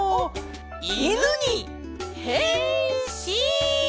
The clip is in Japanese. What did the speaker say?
いぬにへんしん！